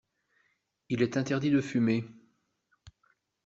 Il est interdit de fumer.